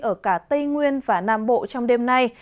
ở cả tây nguyên và nam bộ trong đêm nay